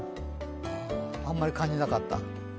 あまり感じなかった？